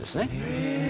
へえ。